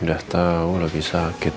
udah tau lagi sakit